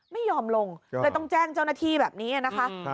ไม่ยอมลงเลยต้องแจ้งเจ้าหน้าที่แบบนี้นะคะ